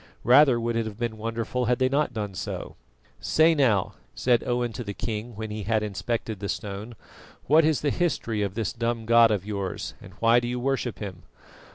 Rather would it have been wonderful had they not done so. "Say now," said Owen to the king when he had inspected the stone, "what is the history of this dumb god of yours, and why do you worship him?"